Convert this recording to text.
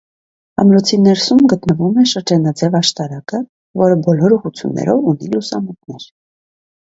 Ամրոցի ներսում գտնվում է շրջանաձև աշտարակը, որը բոլոր ուղղություններով ունի լուսամուտներ։